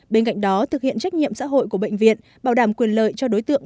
bên cạnh đó thực hiện trách nhiệm xã hội của bệnh viện bảo đảm quyền lợi cho đối tượng